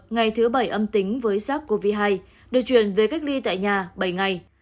ngày thứ bảy âm tính với sars cov hai được chuyển về cách ly tại nhà bảy ngày